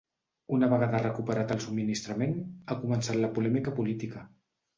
Una vegada recuperat el subministrament, ha començat la polèmica política.